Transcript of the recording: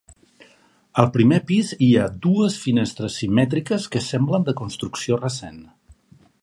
Al primer pis hi ha dues finestres simètriques que semblen de construcció recent.